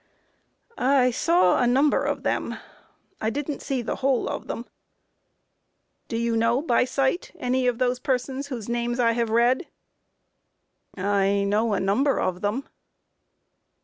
A. I saw a number of them; I didn't see the whole of them. Q. Do you know by sight, any of those persons whose names I have read? A. I know a number of them.